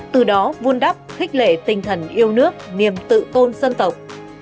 từ đó vun đắp thích lệ tinh thần yêu nước niềm tự tôn dân tộc